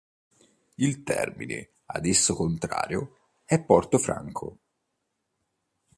Il termine ad esso contrario è porto franco.